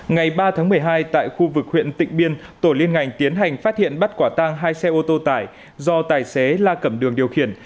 ngày ba tháng một mươi hai tại khu vực huyện tỉnh biên tổ liên ngành tiến hành phát hiện bắt quả tang hai xe ô tô tải do tài xế la cầm đường điều khiển